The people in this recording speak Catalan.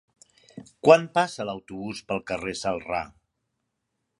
Quan passa l'autobús pel carrer Celrà?